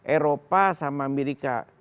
eropa sama amerika